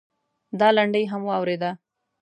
دا لنډۍ هم واورېده.